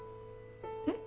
えっ？